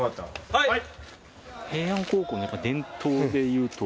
はい！